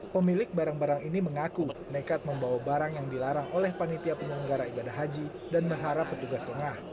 pemilik barang barang ini mengaku nekat membawa barang yang dilarang oleh panitia penyelenggara ibadah haji dan mengharap petugas lengah